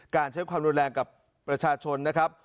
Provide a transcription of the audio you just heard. การใช้ความแรงกับประชาชนนะครับ